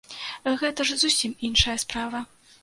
Гэта ж зусім іншая справа.